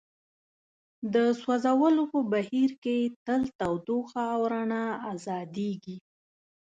د سوځولو په بهیر کې تل تودوخه او رڼا ازادیږي.